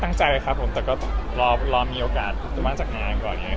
ตั้งใจครับผมแต่ก็รอมีโอกาสหรือว่าจากงานก่อน